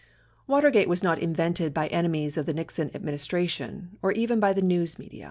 Watergate was not invented by enemies of the Nixon administra tion or even by the news media.